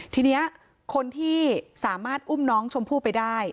ทีนี้คนที่สามารถอุ้มน้องชมพู่ไปได้